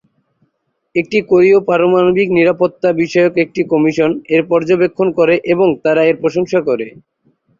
একটি কোরীয় পারমাণবিক নিরাপত্তা বিষয়ক একটি কমিশন এর পর্যবেক্ষণ করে এবং তারা এর প্রশংসা করে।